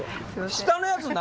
下のやつ何？